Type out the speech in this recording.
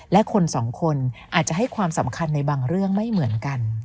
และคนสองคนอาจจะให้ความสำคัญในบางเรื่องไม่เหมือนกัน